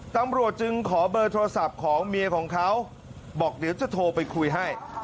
ตำรวจจึงขอเบอร์โทรศัพท์ของเมียของเขาบอกเดี๋ยวจะโทรไปคุยให้